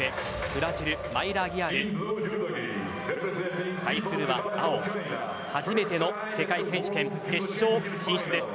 ブラジル、マイラ・アギラール対するは青初めての世界選手権決勝進出です。